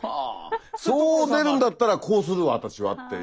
そう出るんだったらこうする私はっていう。